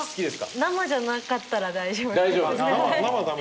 生じゃなかったら大丈夫ですね